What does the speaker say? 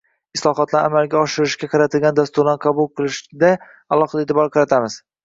Islohotlarni yanada oshirishga qaratilgan dasturlarni qabul qilishga alohida e’tibor qaratamiz.